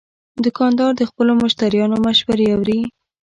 دوکاندار د خپلو مشتریانو مشورې اوري.